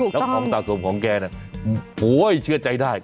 แล้วของสะสมของแกน่ะโอ้โหเชื่อใจได้